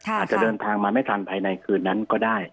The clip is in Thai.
อาจจะเดินทางมาไม่ทันภายในคืนนั้นก็ได้